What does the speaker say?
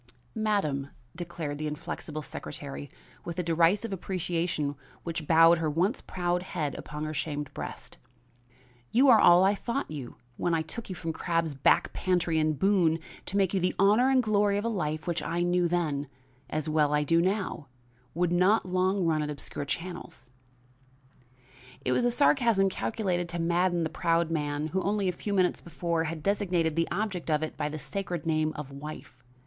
"Madam," declared the inflexible secretary with a derisive appreciation which bowed her once proud head upon her shamed breast, "you are all I thought you when I took you from Crabbe's back pantry in Boone to make you the honor and glory of a life which I knew then, as well as I do now, would not long run in obscure channels." It was a sarcasm calculated to madden the proud man who, only a few minutes before, had designated the object of it by the sacred name of wife.